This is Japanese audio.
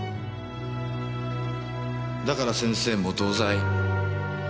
だから先生も同罪。